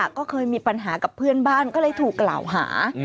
ก็เคยมีปัญหากับเพื่อนบ้านก็เลยถูกกล่าวหา